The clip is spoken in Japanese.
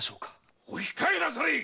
お控えなされい！